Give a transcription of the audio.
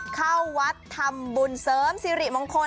เข้าวัดทำบุญเสริมสิริมงคล